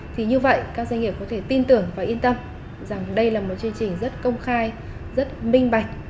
thì như vậy các doanh nghiệp có thể tin tưởng và yên tâm rằng đây là một chương trình rất công khai rất minh bạch